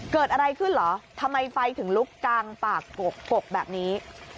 เกิดอะไรขึ้นเหรอทำไมไฟถึงลุกกลางปากกกแบบนี้